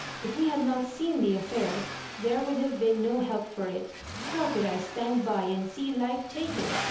If we had not seen the affair, there would have been no help for it. How could I stand by and see life taken?